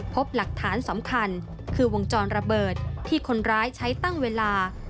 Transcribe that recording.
พบหลักฐานสำคัญคือวงจรระเบิดที่คนร้ายใช้ตั้งเวลา